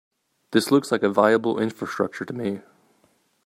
This looks like a viable infrastructure to me.